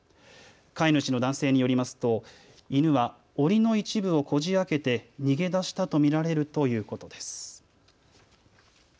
飼い主の男性によりますと犬はおりの一部をこじあけて逃げ出したと見られるということです。